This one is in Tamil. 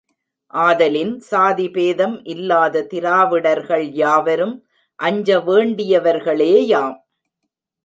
ஆதலின் சாதி பேதம் இல்லா திராவிடர்கள் யாவரும் அஞ்சவேண்டியவர்களேயாம்.